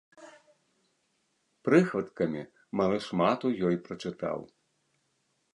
Прыхваткамі малы шмат у ёй прачытаў.